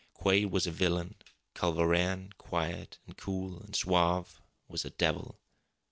Quade was a villain. Culver Rann, quiet and cool and suave, was a devil.